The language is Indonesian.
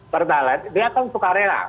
pertalite dia kan suka rela